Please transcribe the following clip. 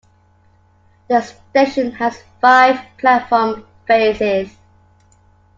The station has five platform faces.